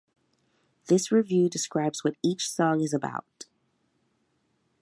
This review describes what each song is about.